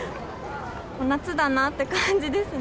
夏だなって感じですね。